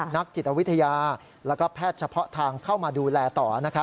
นักจิตวิทยาแล้วก็แพทย์เฉพาะทางเข้ามาดูแลต่อ